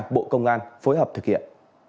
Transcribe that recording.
bộ công an phối hợp thực hiện